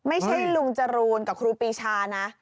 ไม่ใช่ลุงจรูนกับครูปีชานะ